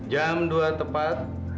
jam dua tepat